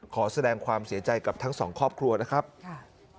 ขอแสดงความเสียใจกับทั้งสองครอบครัวนะครับค่ะ